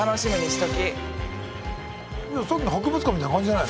さっきの博物館みたいな感じじゃないの？